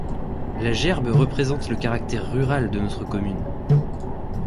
La gerbe représente le caractère rural de notre commune.